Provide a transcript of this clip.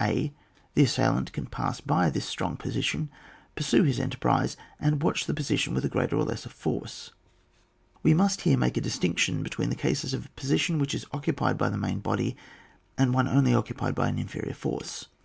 0. The assailant can pass by this strong position, pursue his enterprise, and watch the position with a greater or less force. We must here make a distinction be tween the cases of a position which is occupied by the main body, and one only occupied by an inferior force.